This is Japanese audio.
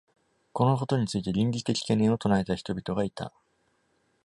このことについて倫理的懸念を唱えた人々がいた。